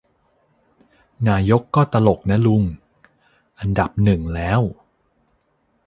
นายกก็ตลกนะลุง อันดับหนึ่งแล้ว